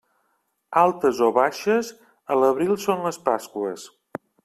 Altes o baixes, a l'abril són les Pasqües.